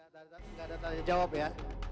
tidak ada tanya jawab ya